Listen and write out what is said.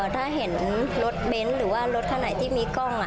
ถ้าเห็นรถเบนท์หรือว่ารถคันไหนที่มีกล้อง